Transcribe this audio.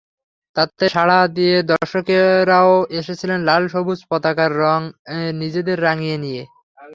তাতে সাড়া দিয়ে দর্শকেরাও এসেছিলেন লাল-সবুজ পতাকার রঙে নিজেদের রাঙিয়ে নিয়ে।